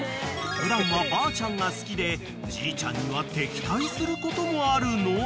［普段はばあちゃんが好きでじいちゃんには敵対することもあるのあ］